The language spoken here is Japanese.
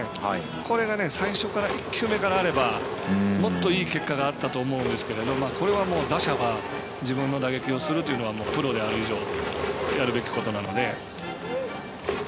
これが最初から１球目からあればもっといい結果があったと思うんですけどこれは打者が自分の打撃をするというのはプロである以上やるべきことなので。